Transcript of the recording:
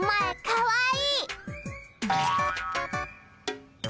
かわいい！